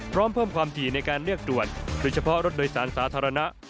พร้อมเพิ่มความถี่ในการเลือกด่วนโดยเฉพาะรถโดยสารสาธารณะ